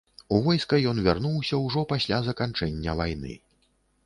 У войска ён вярнуўся ўжо пасля заканчэння вайны.